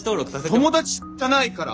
友達じゃないから！